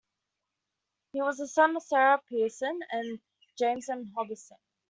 He was the son of Sarah Pearson and James M Hobson.